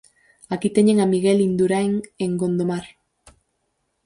Aquí teñen a Miguel Induráin en Gondomar.